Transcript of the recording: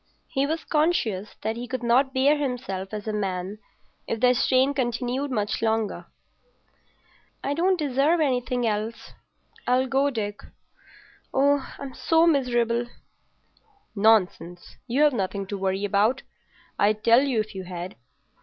He was conscious that he could not bear himself as a man if the strain continued much longer. "I don't deserve anything else. I'll go, Dick. Oh, I'm so miserable." "Nonsense. You've nothing to worry about; I'd tell you if you had.